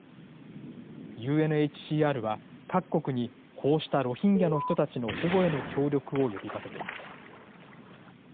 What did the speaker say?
ＵＮＨＣＲは各国にこうしたロヒンギャの人たちの保護への協力を呼びかけています。